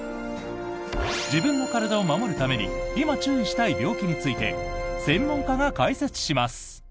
自分の体を守るために今、注意したい病気について専門家が解説します。